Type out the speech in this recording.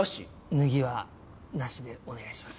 脱ぎは無しでお願いします。